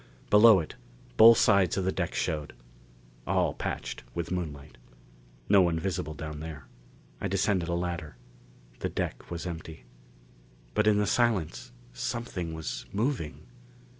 Below it, both sides of the deck showed. All patched with moonlight. No one visible down there. I descended a ladder. The deck was empty. But in the silence something was moving!